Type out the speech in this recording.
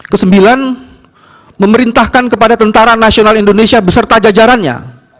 kesembilan memerintahkan kepada tentara nasional indonesia beserta jajarannya